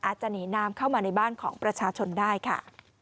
อาจจะหนีน้ำเข้ามาในบ้านของประชาชนได้ค่ะ